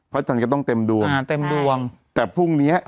พระอาจารย์ก็ต้องเต็มดวงแต่พรุ่งนี้